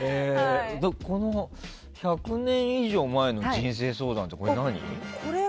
１００年前の人生相談って何？